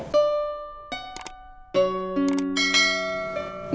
tapi saya merasa sepi